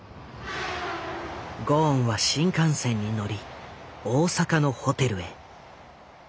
ゴーンは新幹線に乗り大阪のホテルへ。